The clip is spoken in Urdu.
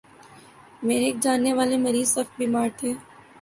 میرے ایک جاننے والے مریض سخت بیمار تھے